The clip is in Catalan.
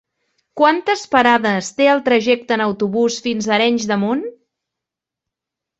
Quantes parades té el trajecte en autobús fins a Arenys de Munt?